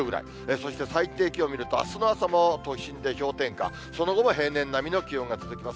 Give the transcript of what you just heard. そして最低気温見ると、あすの朝も都心で氷点下、その後も平年並みの気温が続きます。